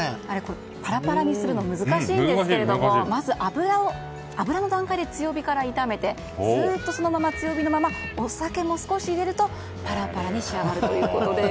パラパラにするの難しいんですけれどもまず油の段階で強火から炒めてずっと強火のままお酒も少し入れると、パラパラに仕上がるということです。